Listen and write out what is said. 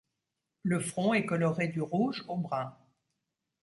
Le front est coloré du rouge au brun.